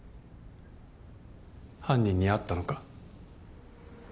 犯人に会ったのか？